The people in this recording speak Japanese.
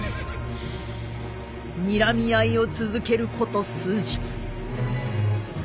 にらみ合いを続けること数日。